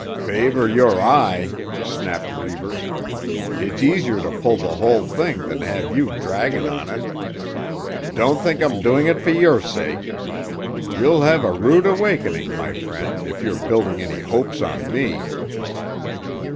"Favour your eye!" snapped Reivers. "It's easier to pull the whole thing than to have you dragging on it. Don't think I'm doing it for your sake. You'll have a rude awakening, my friend, if you're building any hopes on me."